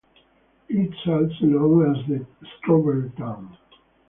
It is also known as "the Strawberry Town".